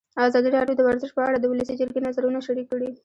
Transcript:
ازادي راډیو د ورزش په اړه د ولسي جرګې نظرونه شریک کړي.